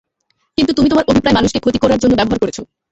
কিন্তু, তুমি তোমার অভিপ্রায় মানুষকে ক্ষতি করার জন্য ব্যবহার করেছো।